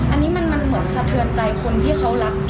อันนี้มันเหมือนสะเทือนใจคนที่เขารัก